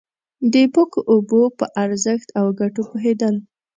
د پاکو اوبو په ارزښت او گټو پوهېدل.